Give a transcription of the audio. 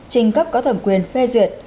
trình cấp có thẩm quyền phê duyệt